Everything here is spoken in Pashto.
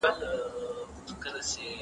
که چونګښه وي نو عملیات نه پاتې کیږي.